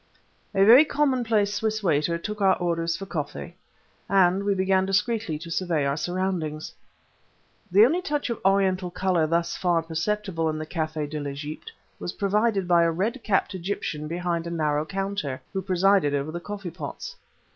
A very commonplace Swiss waiter took our orders for coffee, and we began discreetly to survey our surroundings. The only touch of Oriental color thus far perceptible in the café de l'Egypte was provided by a red capped Egyptian behind a narrow counter, who presided over the coffee pots.